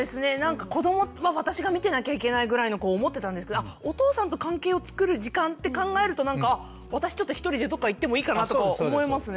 子どもは私が見てなきゃいけないぐらいに思ってたんですけどお父さんと関係を作る時間って考えるとなんか私ちょっと一人でどっか行ってもいいかなと思えますね。